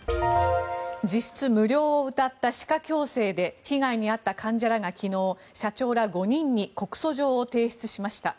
実質無料をうたった歯科矯正で被害に遭った患者らが昨日、社長ら５人に告訴状を提出しました。